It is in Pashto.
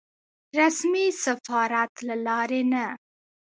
رسمي سفارت له لارې نه.